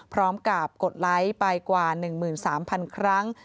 พร้อมกับกดไลก์ไปกว่า๑๓๐๐๐ครั้ง